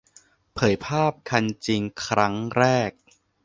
เผยภาพคันจริงครั้งแรก